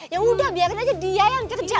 ya udah biarin aja dia yang kerja